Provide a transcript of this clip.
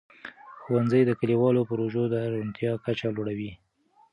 ښوونځي د کلیوالو پروژو د روڼتیا کچه لوړوي.